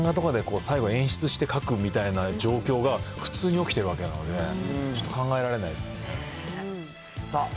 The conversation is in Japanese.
本当に、漫画とかで最後演出して描くみたいな状況が、普通に起きてるわけなので、ちょっと考えられないですね。